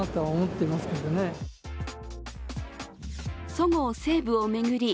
そごう・西武を巡り